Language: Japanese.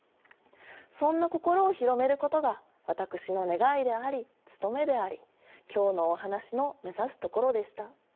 そんな心を広めることが私の願いであり務めであり今日のお話の目指すところでした。